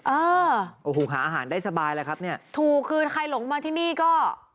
เออโอ้โหหาอาหารได้สบายแล้วครับเนี่ยถูกคือใครหลงมาที่นี่ก็